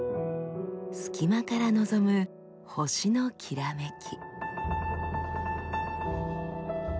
隙間から望む星のきらめき。